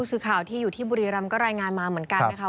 สื่อข่าวที่อยู่ที่บุรีรำก็รายงานมาเหมือนกันนะคะ